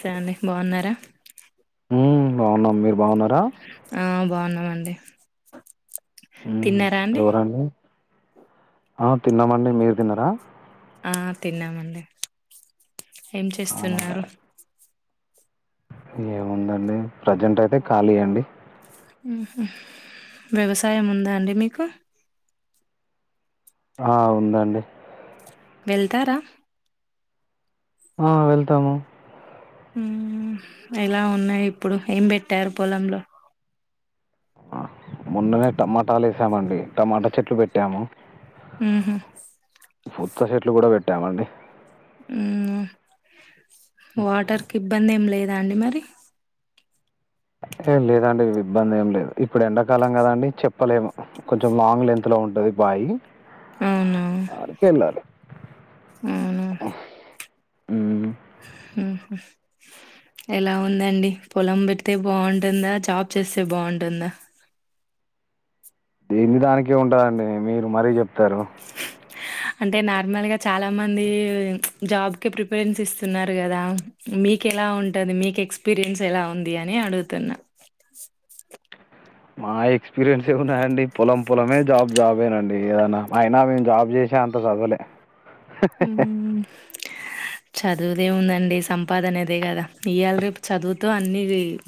సే అండి బాగున్నారా మ్ బాగున్నాం మీర్ ఆ బాగున్నామండి హ్మ్. తిన్నారా అండి ఎవరండి? ఆ తిన్నామండి మీరు తిన్నరా ఆ తిన్నామండి ఏం అవునా! చేస్తున్నారు ఏముందండి ప్రజెంటైతే ఖాళీ అండి మ్ హు వ్యవసాయం ఉందా అండి మీకు ఆ ఉందండి వెళ్తారా ఆ వెళ్తాము మ్ ఎలా ఉన్నాయి ఇప్పుడు ఏం పెట్టారు పొలంలో ఆ మొన్ననే టమాటాలేసామండి టమాటా చెట్లు పెట్టాము మ్ హు పుచ్చా చెట్లు కూడా పెట్టామండి మ్ వాటర్కి ఇబ్బంది ఎం లేదా అండి మరి ఏ లేదండి ఇబ్బంది ఏం లేదు ఇప్పుడు ఎండాకాలం కదండి చెప్పలేము కొంచెం లాంగ్ లెంత్ లో ఉంటది బ బయి అర్ కేళ్ళలి ఆవునా హ్మ్. ఎలా ఉందండి పొలం పెడితే బాగుంటుందా జాబ్ చేస్తే బాగుంటుందా దేంది దానికే ఉంటదండి మీరు మరీ చెప్తారు అంటే నార్మల్ గా చాలా మంది జాబ్ కి ప్రిపరెన్స్ ఇస్తున్నారు కదా మీక్ కేలా ఉంటది మీకు ఎక్స్పీరియన్స్ ఎలా ఉంది అని అడుగుతున్నా మా ఎక్స్పీరియన్స్ ఏమున్నాదండి పొలం పొలమే జాబ్ జాబెనండి ఏదన్నా అయినా మేము జాబ్ చే కే అంత సదువలే చదువుదేవుందండి సంపాదనేదే కదా ఇయ్యాల రేపు చదువుతో అన్ని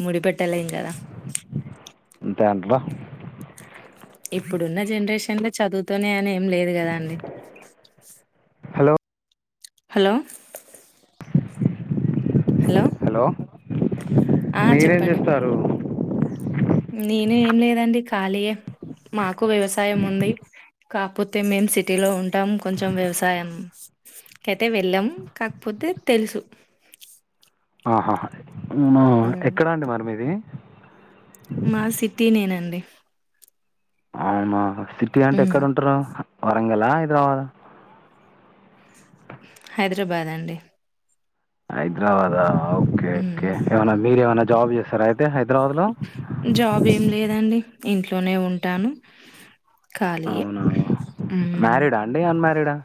ముడిపెట్టలేం కదా దెబ్బ ఇప్పుడున్న జనరేషన్ ల చదువుతొనే అని ఏం లేదు కదా అండి హలో హలో హలో ఆ! మీరేం చెప్పండి. చేస్తారు నేను ఏం లేదండి ఖాళీయె మాకు వ్యవసాయం ఉంది కాకపోతే మేం సిటీలో ఉంటాం కొంచెం వ్యవసాయం కైతే వెళ్ళాము కాకపోతే తెలుసు ఆహ హ మ్ ఎక్కడా అండి మరి మీది మాది సిటీ నె అండి అవునా సిటీ అంటే ఎక్కడుంటారు వరంగల్ హ హైదరాబాద్ హ హైదరాబాద్ అండి హైదరాబాదా ఓకే ఉమ్ ఒకే ఏమనా మీరేమన్న జాబ్ చేస్తారా అయితే హైదరాబాద్లో జాబ్ ఏం లేదండి ఇంట్లోనే ఉంటాను కాళియే అవునా ఉమ్ మ్యారీడా అండి అన్మ్యారీడా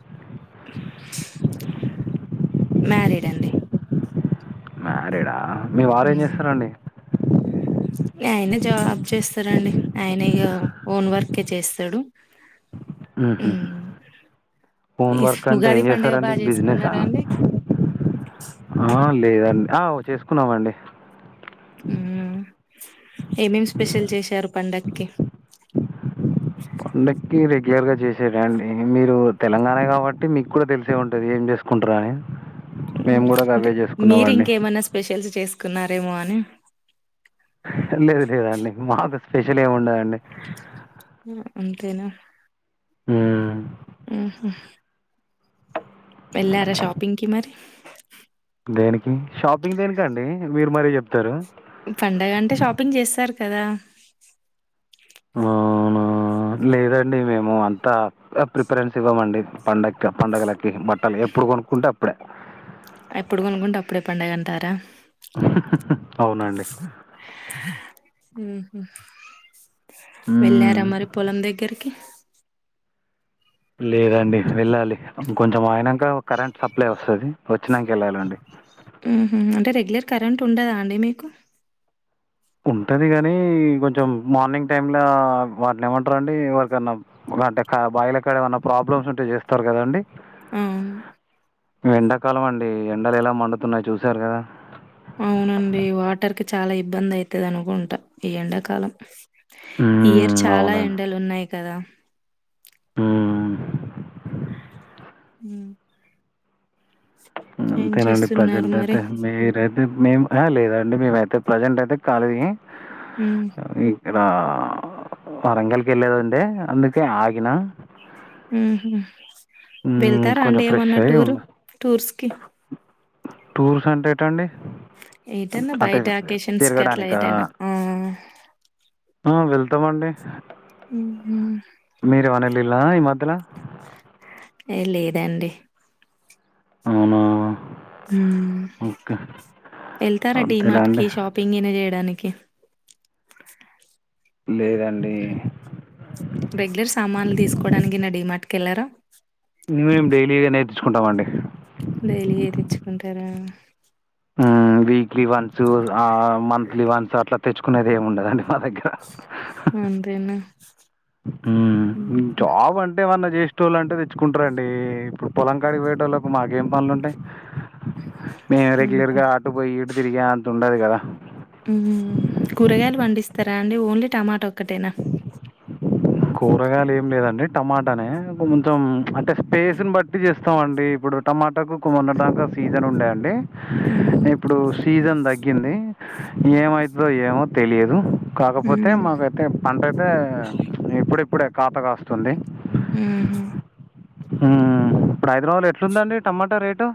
మ్యారిడ్ అండి మ్యారీడా మీ వారు ఏం ఉమ్ చేస్తారండి ఆయన జాబ్ చేస్తారండి ఆయన ఇగ ఓన్ వర్కే చేస్తాడు ఉ హు హు ఉమ్ హోమ్ వర్క్ అంటే ఉగాది ఏం పండుగ చేస్తారండి బాగా బిజినెసా చేసుకున్నారా అండి ఆ లేదం ఆ చేసుకున్నామండి మ్ ఏం ఏం స్పెషల్ చేశారు పండక్కి పండక్కి రెడ్ క్లియర్గా చేసేధ అండి మీరు తెలంగాణ కాబట్టి మీక్కుడా తెలిసే ఉంటది ఏం చేసుకుంటార అని అంటే మీరు ఇంకేమైనా స్పెషల్స్ చేసుకున్నారేమో అని లేదు లేదండి మాకు స్పెషల్ ఏం ఉండదండి అ అంతేనా మ్ ఊహు వెళ్ళారా షాపింగ్కి మరి దేనికి షాపింగ్ దేనికి అండి మీరు మరి చెప్తరు పడగంటే షాపింగ్ చేస్తారు కదా అవునా! లేదండి మేము అంతా ప్రిపారెన్స్ ఇవ్వమండి పండక్ పండగల పిహ్ బట్టలు ఎప్పుడు కొనుక్కుంటే అప్పుడే ఎప్పుడు కొనుక్కుంటే అప్పుడే పండగ అంటారా అవునండి ఊహు వెళ్ళారా మరి హ్మ్. పొలం దగ్గరికి లేదండి వెళ్ళాలి కొంచెం ఆయనాక కరెంట్ సప్లై వస్తది వచ్చినంక వెళ్ళాలండి ఊహు అంటే రెగ్యులర్ కరెంట్ ఉండదా అండి మీకు ఉంటది కాని కొంచం మార్నింగ్ టైమ్లా వాటిని ఏమంటారండి ఎవరికన్నా వంటే కా బయిలక్కడ ఏమైన్నా ప్రాబ్లమ్స్ ఉంటే చేస్తారు కదాండి ఆవున్ ఎండాకాలం అండి ఎండలు ఎలా మండుతున్నాయి చూసారు కదా అవునండి వాటర్ కి చాలా ఇబ్బంది అవుతది అనుకుంటా ఈ ఎండాకాలం ఇయర్ మ్మ్, చాలా ఎండలు ఉన్నాయి కదా ఉమ్ ఉ అంతేనండి చేస్తున్నారు ప్రజెంట్ మరి? అయితే మీరు ఏద్ మేం మేము అహ లేదండి మేమయితే ప్రజెంట్ అయితే కాలీ ఉమ్ ఇలా వరంగల్కి వెలేదంటే అందుకే ఆగిన ఊహు హ్మ్. వెళ్తారా కొంచెం అండి ఫ్రెష్ ఏమన్నా అయ్యి టూర్ ఉండు. టూర్స్ కి టూర్స్ అంటే ఏటండి ఏటన్న బయట ఆకేషన్స్ కి అట్లా తిరగడానికా? ఏటనా ఆ ఆ వెళ్తామండి ఊహు మిరేమన్న ఎలిల ఈ మధ్యల ఏ లేదాండి అవునా మ్ ఓకే. ఎళ్తారా అంతేనా డిమార్ట్ అండి? కి షాపింగీన చేయడానికి లేదండి రెగ్యులర్ సామాన్లు తీసుకోవడానికిన్న డిమార్ట్కి వెళ్లరా మేం డైలీగా నేర్చుకుంటామ అండి డైలీ ఏ తెచ్చుకుంటారా ఆ వీక్లీ వన్స్ ఆ మంత్లీ వన్స్ అట్లా తెచ్చుకునేది ఏమి ఉండదండి మ దగ్గర అంతేనా? మ్ హుహు. జాబ్ అంటే మనక్ చేస్తోలంటే తెచ్చుకుంటారండి ఇప్పుడు పొలం కాడికి పోయేటోల్లకు మాకేం పనులు ఉంటాయ్ మ్ ఇగ అటు బోయి ఈటు దిరిగే అంత ఉండదు గదా ఉమ్ కూరగాయలు వండిస్తారా అండి ఓన్లీ టమాటా ఒక్కటేనా కూరగైలు ఏం లేదండి టమాటానే కొంచెం అంటే స్పేస్ని బట్టి జేస్తామండి ఇప్పుడ్ రు టమాటాకు కుమ్మడ్దాక సీజన్ ఉండే అండి హ్మ్. ఇప్పుడు సీజన్ దగ్గింది ఏమైతదో ఏమో తెలియదు కాకపోతే హ్మ్. మాకైతే పంటైతే ఇప్పుడిప్పుడే ఖాత కాస్తుంది హుహు. మ్ ఇప్పుడ్ హైదరాబాద్ల ఎట్లుందండి టమాటా రేటు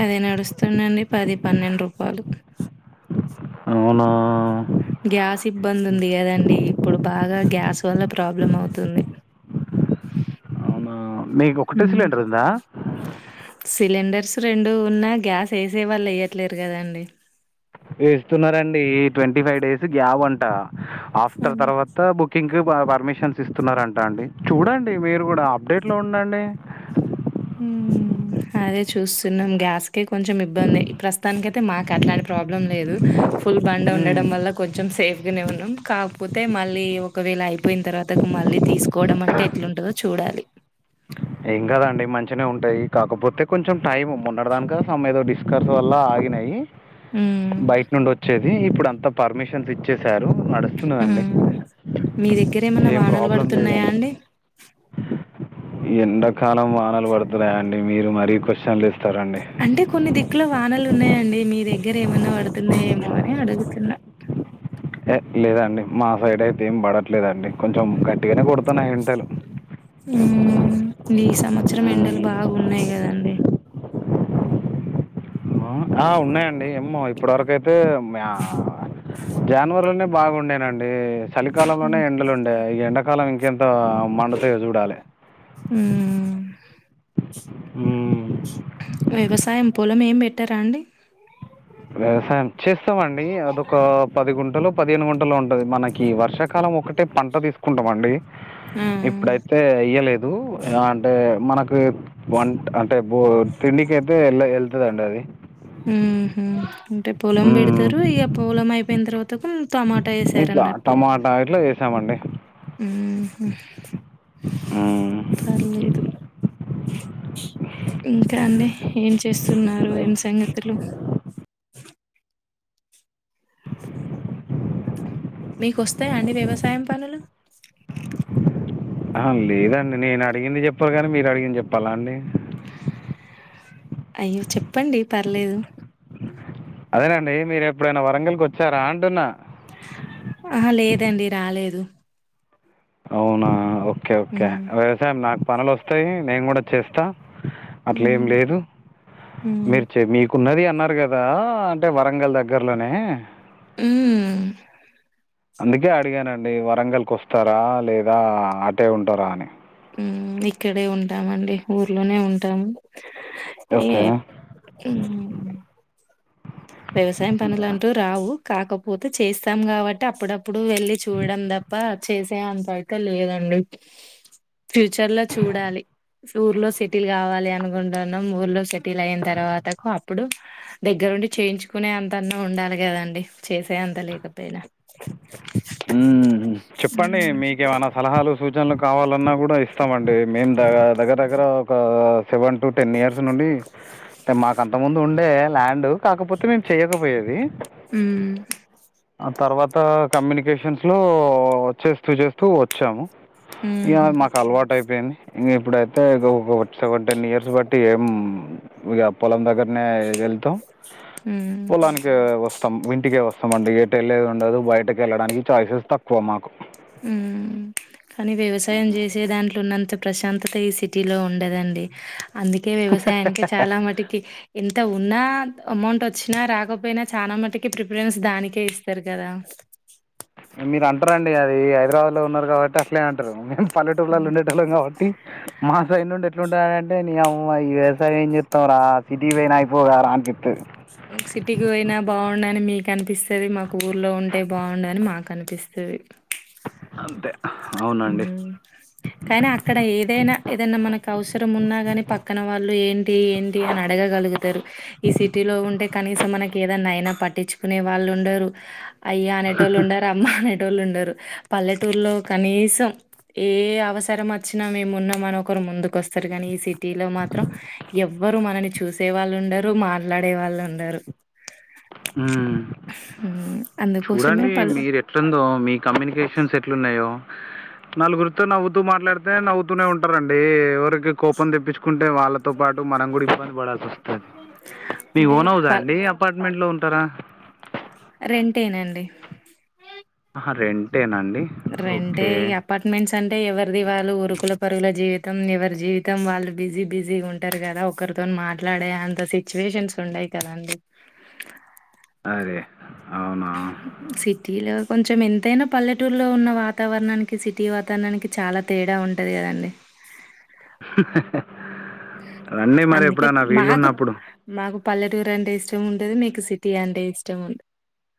అదే నడుస్తుందండి పది పన్నెండు రూపాలు ఔనా గ్యాస్ ఇబ్బంది ఉంది కదండి ఇప్పుడు బాగా గ్యాస్ వల్ల ప్రాబ్లం అవుతుంది అవునా మీకు ఒకటే మ్ సిలిండర్ ఉందా సిలెండర్ స్ రెండు ఉన్నా గ్యాస్ ఏసే వాళ్ళు ఏయ్యట్లేరు కదాండి ఏస్తున్నరండీ ట్వంటీ ఫైవ్ డేస్ గ్యాబ్ అంట ఆఫ్టర్ అవును. తర్వాత బుకింగ్ క్ ప పర్మిషన్స్ ఇస్తున్నారంట అండి చూడండి మీరు గూడా అప్డేట్ లో ఉండండి హ్మ్. అదే చూస్తున్నం గ్యాస్ కి కొంచం ఇబ్బందె ప్రస్తుతానికైతే మాక్ అట్లాంటి ప్రాబ్లం లేదు ఫుల్ బండ మ్మ్. ఉండడం వల్ల కొంచెం సేఫ్గనే ఉన్నాం కాకపోతే మళ్ళీ ఒకవేళ అయిపోయిన తర్వాతకు మళ్ళీ తీసుకోడం అంటే ఎట్లుంటదో చూడాలి ఏం కాదండి మంచినే ఉంటాయి కాకపోతే కొంచెం టైం మొన్నడ్దాంక సామ్ ఏదో డిస్కర్స్ వల్ల ఆ గినై హ్మ్. బయిట్నుండి ఒచ్చేవి ఇప్పుడంతా పర్మిషన్స్ ఇచ్చేసారు నడుస్తున్నదండి హ్మ్. మీ దగ్గరేమన్నా ఏం వానలు ప్రాబ్లం పడుతున్నాయా లేదండి అండి? ఎండాకాలం వానలు పడుతున్నాయా అండి మీరు మరీ క్వశ్చన్ లు అంటే కొన్ని దిక్కుల వానలున్నాయండి మీద గ్గరేమన్నా పడుతున్నయి ఏమో అని అడుగుతున్నా హె లేదండి మా సైడ్ అయితే ఏం పడట్లేదండి కొంచెం గట్టిగానే కొడుతున్నాయి ఎండలు వత్సరం ఎండలు బాగున్నాయ్ కదండి మ్ ఆ ఉన్నాయండి ఏమ్మో ఇప్పటి వరకైతే మ్యా జనవరిల నే బాగుండేనండి చలికాలంలోనే హ్మ్. ఎండలుండే ఇగ ఎండకాలం ఇంకెంత్ అ మండుతయో చూడాలే హ్మ్. మ్ వ్యగసాయం పోలం ఏం పెట్టారా అండి వ్యవసాయం చేస్తామండి అదొకా పది గుంన్ పదిహేను గంటలో ఉంటది మనకి వర్షాకాలం ఒకటే పంట తిస్కుంటాం అండి ఆ! ఇప్పుడైతే ఎయ్యలేదు ఎల అంటే మనక్ బొట్ వంట్ అంటే బోట్ తిండికైతే ఏళ్ ఎల్తదండీ అది మ్ హు్ అంటే పొలం మ్మ్. పెడ్తారు ఇగ పొలం అయిపోయిన తర్వాతకు టమాటా ఇట్లా ఏసారన్నట్టు టమాటా ఇట్లా వేసామండి మ్ హు్ మ్మ్. పర్లేదు ఇంకా అండి ఏం చేస్తున్నారు ఏం సంగతులు మీకోస్తాయా అండి వ్యవసాయం పనులు ఆహా లేదండి నేను అడిగింది జెప్పవ్ గాని మీరు అడిగింది జెప్పాలా అండి అయ్యో చెప్పండి పర్లేదు అదేనండి మీరు ఎప్పుడైనా వరంగల్కి ఓచ్చారా అంటున్నా ఆహా లేదండి రాలేదు అవునా ఒక్కె ఒక్కె హ్మ్. వ్యవసాయం నాక్ పనులోస్తాయి నేను గూడా చేస్తా అట్లా ఏం హ్మ్ లేదు హ్మ్ మీరు చే మీకు ఉన్నది అన్నారు గదా అంటే వరంగల్ దగ్గర్లోనే మ్ అందుకే అడిగానండి వరంగల్ కోస్తారా లేదా అటే ఉంటారా అని మ్ ఇక్కడే ఉంటామండి ఊర్లోనే ఉంటాము ఇగ ఓకే ఏ మ్ వ్యవసాయం పనులు అంతేనా అంటూ రావు కాకపోతే చేస్తాం గబట్టి అప్పుడపు అప్పుడు వెళ్ళీ చూడడం దప్ప చేసే అంతైతే లేదండి ఫ్యూచర్ల చూడాలి ఊర్లో సెటిల్ గవాలి అనుకుంటున్నాం ఊర్లో సెటిల్ అయిన తర్వాతకు అప్పుడు దెగ్గరుండి చేయించుకునే అంతన్నా ఉండాలి గదండి చేసే అంత లేకపోయినా ఉమ్ ఉమ్ చెప్పండి మీకేమనా సలహాలు సూచనలు కావాలన్నా గూడా ఇస్తామండి మేమ్ ద దగ్గర దగ్గర ఒక సెవెన్ టు టెన్ ఇయర్స్ నుండి మాక్ అంత ముందు ఉండే ల్యాండు కాకపోతే మేమ్ చేయకపోయేది హ్మ్ అ తర్వాత కమ్యూనిక వెకేషన్స్లో వచ్చేస్తూ చేస్తూ వచ్చాము హ్మ్ ఇగ ఊహూ మాక్ అలవాటైపోయింది ఇంగ ఇప్పుడైతే ఇ ఒక సెవెన్ టెన్ ఇయర్స్ బట్టి ఏం ఇగ పొలం దగ్గర నే వెళ్తాం హ్మ్ పొలానికె వస్ తం ఇంటికే వస్తామండి ఎటు వెళ్ళలేదుండదు బయటకి వెళ్ళడానికి ఛాయిసెస్ తక్కువ మాకు ఉమ్ కానీ వ్యవసాయం జెసే దాంట్ల ఉన్నంత త ప్రశాంతత ఏ సిటీలో ఉండదండి అందుకే వ్యవసాయానికి చాలా మటికి ఇంత ఉ ఉన్నా అమౌంట్ వచ్చినా రాకపోయినా చానా మటికి ప్రిఫరెన్స్ దానికే ఇస్తరు గదా మీరంట్రంన్డి అది హైదరాబాద్లో ఉన్నారు కాబట్టి అట్లే అంటారు మేమ్ పల్లెటూర్ళ్లలో హ్మ్. ఉండేటోల్లం కాబట్టి మా సైడ్ నుండి ఎట్లుంటదంటే నీ అమ్మా ఈ వ్యవసాయం ఏం చెత్తవ్ రా సిటీ పోయిన అయిపోగదర అనిపితది సిటీకి పోయినా బాగుండని మీక్ అనిపిస్తది మాకు ఊర్లో ఉంటే బాగుండని మాక్ అనిపిస్తుది తది అంతే అవునండి ఉమ్ కానీ అక్కడ ఏదైనా ఏదైనా మనక్ అవసరం ఉన్నా గని పక్కన వాళ్ళు ఏంటి ఏంటి అని అడగగలుగుతారు ఈ సిటీలో ఉంటే కనీసం మనకి ఏదైన్నా ఐనా పట్టించుకునే వాళ్ ఉండరు అయ్యా అనేటోళ్ళు ఉండారు అమ్మ అనేటోళ్ళు ఉండరు పల్లెటూర్లో కనీ సం ఏ అవసరం అచ్చినా మేం ఉన్నాం అని ఒకరు ముందుకోస్తారు గనీ ఈ సిటీలో మాత్రం ఎవ్వరు మనల్ని చూసే వాళ్ళు ఉండరు మాట్లాడే వాళ్ళు ఉండరు ఉమ్ అందుకోసమే చూడండి పల్లె మీరు ఎట్లుందో మీ కమ్యూనికేషన్స్ ఎట్లున్నాయో నలుగురితో నవ్వుతూ మాట్లాడితే నవ్వుతూనే ఉంటారండి ఎవరికి కోపం తెప్పించుకుం టే వాళ్ళతో పాటు మనం గూడా ఇబ్బంది పడాల్సోస్తది మీకు అంటే ఓనహౌజ ప అండి అపార్ట్మెంట్ లో రెంటేనండి రెంటేనా అండి రెంటే ఓకే ఇగ అపార్ట్మెంట్స్ అం టే ఎవర్ది వాళ్ళు ఉరుకుల పరుగుల జీవితం ఎవరి జీవితం వాళ్ళు బిజీ బిజీ ఉంటారు గదా ఒకరితోన్ మాట్లాడే అంత సిచ్యువేషన్స్ ఉండయి కదండి అదే అవునా సిటీలో కొంచం ఎంతైనా పల్లెటూరులో ఉన్న వాతావరణానికి సిటీ వాతావరణానికి చాలా తేడా ఉంటది గదండి రండి మరి అందుకే ఎప్పుడనా మాకు వీళ్లున్నప్పుడు మాకు పల్లెటూరు అంటే ఇష్టం ఉంటది మీకు సిటీ అంటే ఇష్టం ఉంట్